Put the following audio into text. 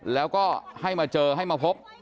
แล้วก็ให้มาเจอให้มาพบ